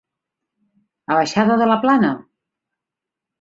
A Baixada de la Plana?